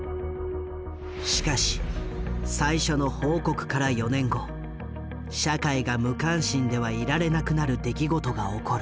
しかし最初の報告から４年後社会が無関心ではいられなくなる出来事が起こる。